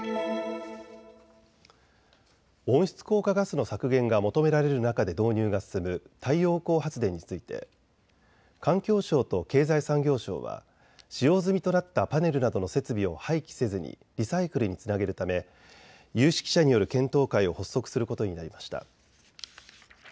温室効果ガスの削減が求められる中で導入が進む太陽光発電について環境省と経済産業省は使用済みとなったパネルなどの設備を廃棄せずにリサイクルにつなげるため有識者による検討会を発足することになりました。